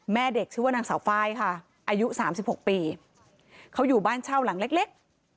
แม่เด็กชื่อว่านางสาวไฟล์ค่ะอายุ๓๖ปีเขาอยู่บ้านเช่าหลังเล็ก